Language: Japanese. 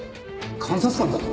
監察官だと！？